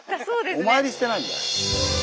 お参りしてないんだ。